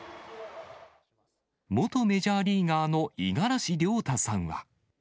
元メジャーリーガーの五十嵐亮太さんは。